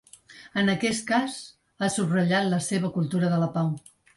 En aquest cas, ha subratllat la seva ‘cultura de la pau’.